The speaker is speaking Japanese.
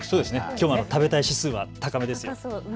きょうは食べたい指数は高めです。